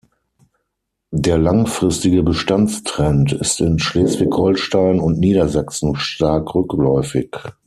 Der langfristige Bestandstrend ist in Schleswig-Holstein und Niedersachsen stark rückläufig.